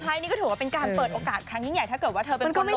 ใช่นี่ก็ถือว่าเป็นการเปิดโอกาสครั้งยิ่งใหญ่ถ้าเกิดว่าเธอเป็นเพื่อน